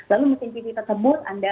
lalu mesin cuci tersebut anda bisa mengganti